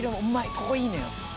ここいいのよ。